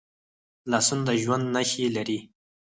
لاسونه د ژوند نښې لري